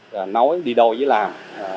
là nói đi đôi với làm